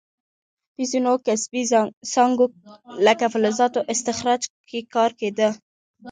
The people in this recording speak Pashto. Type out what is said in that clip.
په ځینو کسبي څانګو لکه فلزاتو استخراج کې کار کیده.